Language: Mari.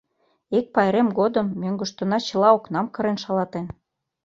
Ик пайрем годым мӧҥгыштына чыла окнам кырен шалатен.